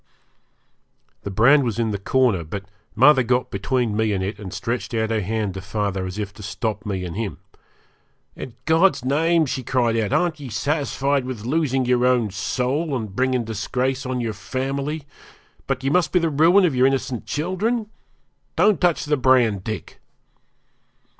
The brand was in the corner, but mother got between me and it, and stretched out her hand to father as if to stop me and him. 'In God's name,' she cried out, 'aren't ye satisfied with losing your own soul and bringing disgrace upon your family, but ye must be the ruin of your innocent children? Don't touch the brand, Dick!'